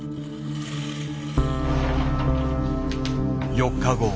４日後。